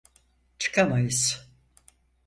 Çıkamayız.